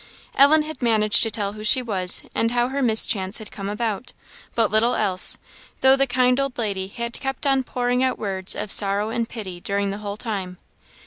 Ellen had managed to tell who she was, and how her mischance had come about, but little else, though the kind old lady had kept on pouring out words of sorrow and pity during the whole time.